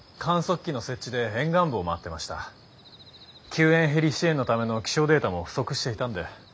救援ヘリ支援のための気象データも不足していたんで。